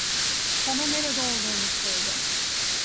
Bana nerede olduğunu söyle.